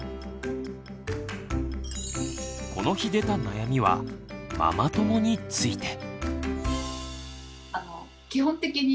この日出た悩みは「ママ友」について。